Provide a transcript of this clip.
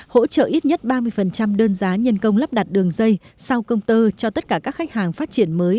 hỗ trợ ít nhất ba mươi đơn giá nhân công lắp đặt đường dây sau công tơ cho tất cả các khách hàng phát triển mới